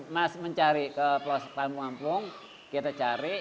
mas mencari ke peluang tamu ampung kita cari